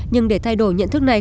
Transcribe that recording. nhưng để thay đổi nhận thức này